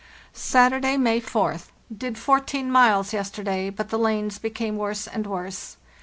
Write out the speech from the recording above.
"Saturday, May 4th. Did fourteen miles yesterday ; but the lanes become worse and worse.